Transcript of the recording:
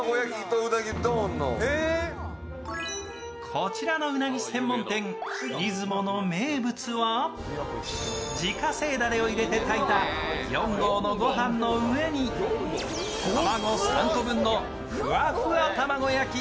こちらのうなぎ専門店いづもの名物は自家製ダレを入れて炊いた４合の御飯の上に卵３個分のふわふわ卵焼き